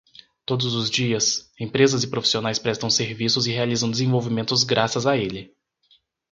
Todos os dias, empresas e profissionais prestam serviços e realizam desenvolvimentos graças a ele.